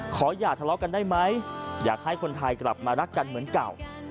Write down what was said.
อย่าทะเลาะกันได้ไหมอยากให้คนไทยกลับมารักกันเหมือนเก่า